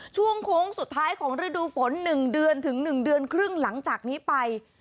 ช่วงโค้งสุดท้ายของฤดูฝน๑เดือนถึง๑เดือนครึ่งหลังจากนี้ไป